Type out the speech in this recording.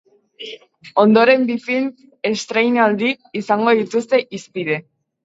Ondoren, bi film estreinaldi izango dituzte hizpide.